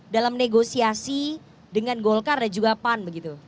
dalam negosiasi dengan golkar dan juga pan begitu